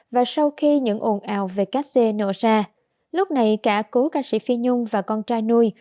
và sau khi những ồn ào về các xê nổ ra lúc này cả cố ca sĩ phi nhung và con trai nuôi